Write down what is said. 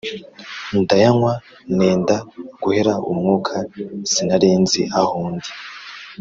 ndayanywa nenda guhera umwuka sinarinzi aho ndi